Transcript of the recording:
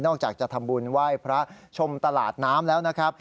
อกจากจะทำบุญไหว้พระชมตลาดน้ำแล้วนะครับ